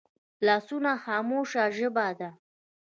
لاسونه خاموشه ژبه ده